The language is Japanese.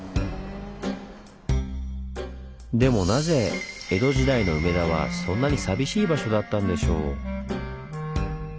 でもなぜ江戸時代の梅田はそんなに寂しい場所だったんでしょう？